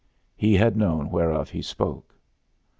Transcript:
He had known whereof he spoke.